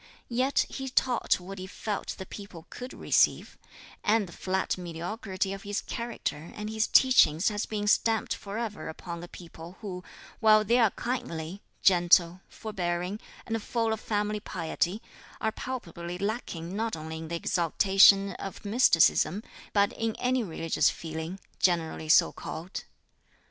Yet he taught what he felt the people could receive, and the flat mediocrity of his character and his teachings has been stamped forever upon a people who, while they are kindly, gentle, forbearing, and full of family piety, are palpably lacking not only in the exaltation of Mysticism, but in any religious feeling, generally so called.